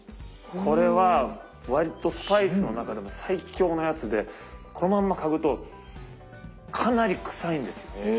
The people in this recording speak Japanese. これは割とスパイスの中でも最強のやつでこのまんま嗅ぐとかなり臭いんですよ。